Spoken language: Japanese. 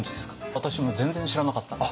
私も全然知らなかったんですね。